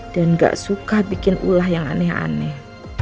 dan gak suka bikin ulah yang aneh aneh